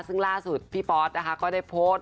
ซึ่งล่าสุดพี่ปอสนะคะก็ได้โพสต์